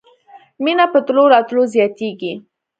مینه په تلو راتلو زیاتیږي